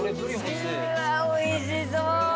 うわおいしそう。